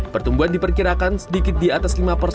pertumbuhan diperkirakan sedikit di atas lima persen